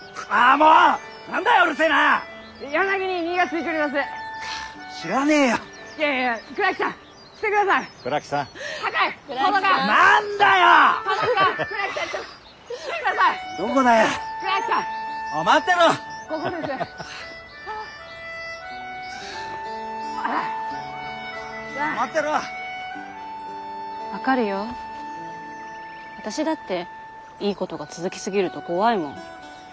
あたしだっていいことが続き過ぎると怖いもん。